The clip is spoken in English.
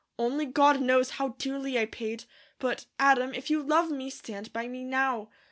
Only God knows how dearly I paid; but Adam, if you love me, stand by me now.